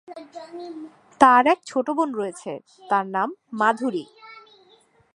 তার এক ছোট বোন রয়েছে, তার নাম মাধুরী।